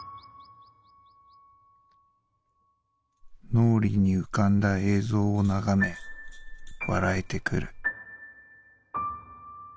「脳裏に浮かんだ映像を眺め笑えてくる」。